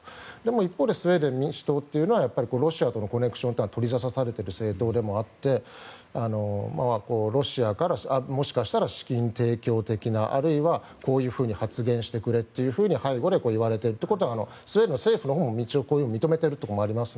一方でスウェーデン民主党はロシアとのコネクションが取りざたされている政党でもあってロシアからもしかしたら資金提供的な、あるいはこういうふうに発言してくれと背後から言われていることはスウェーデンの政府のほうも認めているところがあります。